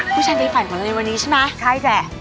ผู้ชายดีฝันกว่านี้วันนี้ใช่ไหมใช่แจ่